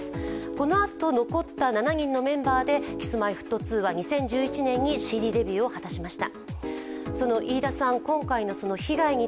このあと残った７人のメンバーでＫｉｓ−Ｍｙ−Ｆｔ２は２０１１年にＣＤデビューを果たしました。